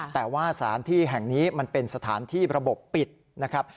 แต่ว่าสถานที่แห่งนี้มันเป็นสถานที่ระบบปิดนะครับ